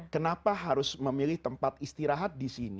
kenapa harus memilih tempat istirahat disini